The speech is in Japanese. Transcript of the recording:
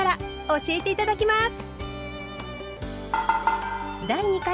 教えて頂きます。